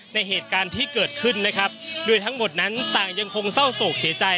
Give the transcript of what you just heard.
เหตุการณ์ที่เกิดขึ้นนะครับโดยทั้งหมดนั้นต่างยังคงเศร้าโศกเสียใจ